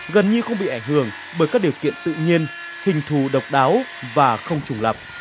gần như không bị ảnh hưởng bởi các điều kiện tự nhiên hình thù độc đáo và không trùng lập